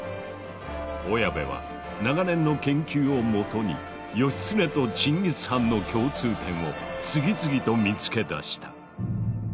小谷部は長年の研究をもとに義経とチンギス・ハンの共通点を次々と見つけ出した。